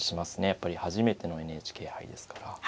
やっぱり初めてのＮＨＫ杯ですから。